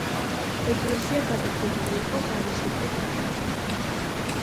ეკლესია გადახურული იყო ღარისებრი კრამიტით.